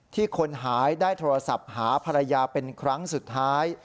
คนหายได้โทรศัพท์หาภรรยาเป็นครั้งสุดท้าย